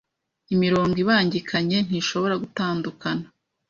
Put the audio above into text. Imirongo ibangikanye ntishobora gutandukana.